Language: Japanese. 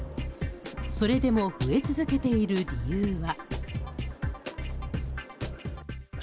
それでも増え続けている理由は。